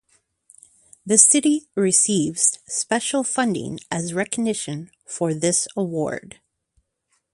The city receives special funding as recognition for this award.